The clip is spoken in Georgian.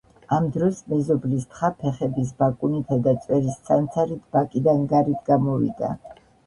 ამ დროს მეზობლის თხა ფეხების ბაკუნითა და წვერის ცანცარით ბაკიდან გარეთ გამოვიდა.